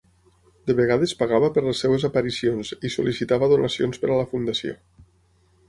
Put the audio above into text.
De vegades pagava per les seves aparicions i sol·licitava donacions per a la fundació.